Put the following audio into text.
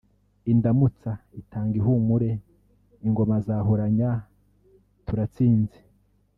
Indamutsa itanga ihumure ingoma zahuranya Turatsinze